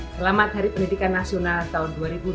selamat hari pendidikan nasional tahun dua ribu dua puluh